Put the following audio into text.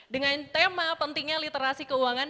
dengan tema pentingnya literasi keuangan